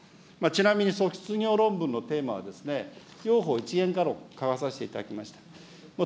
ちなみに卒業論文のテーマは幼保一元化論を書かさせていただきました。